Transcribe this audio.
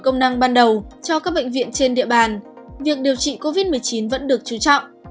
công năng ban đầu cho các bệnh viện trên địa bàn việc điều trị covid một mươi chín vẫn được trú trọng